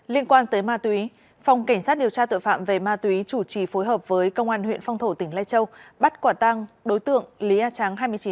liên quan tới ma túy phòng cảnh sát điều tra tội phạm về ma túy chủ trì phối hợp với công an huyện phong thổ tỉnh lai châu bắt quả tăng đối tượng lý a trắng hai mươi chín tuổi